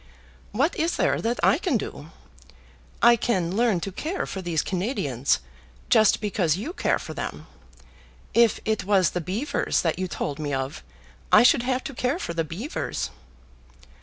What is there that I can do? I can learn to care for these Canadians, just because you care for them. If it was the beavers that you told me of, I should have to care for the beavers."